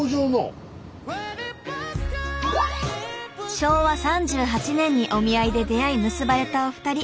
昭和３８年にお見合いで出会い結ばれたお二人。